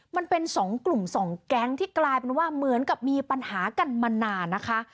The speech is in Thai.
มันเป็นสองกลุ่มสองแก๊งที่กลายเป็นว่าเหมือนกับมีปัญหากันมานานนะคะ